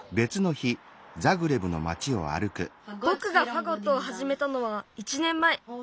ぼくがファゴットをはじめたのは１ねんまえ。